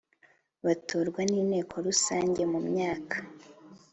batorwa n Inteko Rusange mu myaka